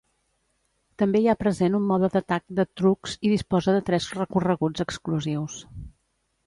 També hi ha present un mode d'atac de trucs i disposa de tres recorreguts exclusius.